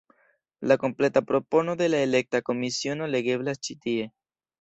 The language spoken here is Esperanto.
La kompleta propono de la elekta komisiono legeblas ĉi tie.